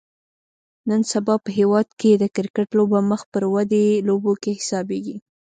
نن سبا په هیواد کې د کرکټ لوبه مخ پر ودې لوبو کې حسابیږي